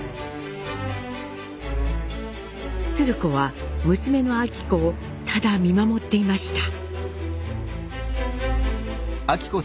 鶴子は娘の昭子をただ見守っていました。